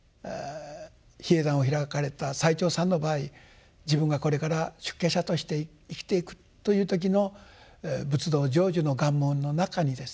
比叡山を開かれた最澄さんの場合自分がこれから出家者として生きていくという時の仏道成就の願文の中にですね